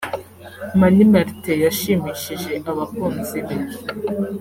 Mani Martin yashimishije abakunzi be